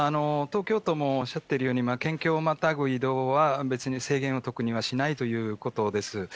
東京都もおっしゃっているように、県境をまたぐ移動は別に制限は特にしないということです。